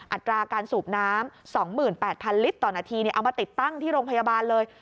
อัตราการสูบน้ำ๒๘๐๐ลิตรต่อนาทีเอามาติดตั้งที่โรงพยาบาลเลย